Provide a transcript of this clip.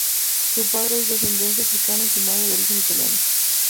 Su padre es de ascendencia africana y su madre, de origen italiano.